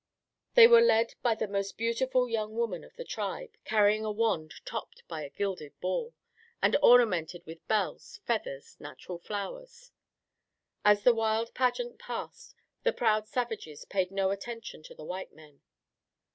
They were led by the most beautiful young woman of the tribe, carrying a wand topped by a gilded ball, and ornamented with bells, feathers, natural flowers. As the wild pageant passed the proud savages paid no attention to the white men.